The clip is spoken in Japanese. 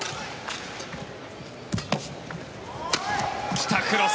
来た、クロス。